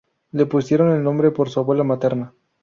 Le pusieron el nombre por su abuela materna.